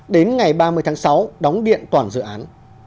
đến ngày ba mươi tháng sáu đóng điện toàn dự án